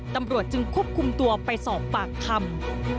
ตำรวจจึงควบคุมตัวไปสอบปากคำ